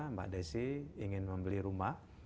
mbak desi ingin membeli rumah